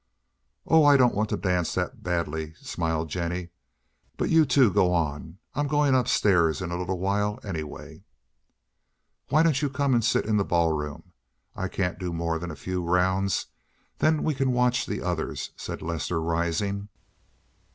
"Oh, I don't want to dance that badly," smiled Jennie. "But you two go on, I'm going up stairs in a little while, anyway." "Why don't you come sit in the ball room? I can't do more than a few rounds. Then we can watch the others," said Lester rising.